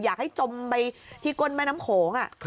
อยากให้จมไปที่กลมแม่น้ำโขง